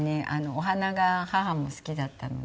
お花が母も好きだったので。